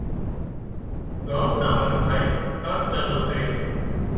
ڳام نان منکانئين ڪانڪ چندو ڪريو